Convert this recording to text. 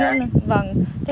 nhưng cái này thì không lo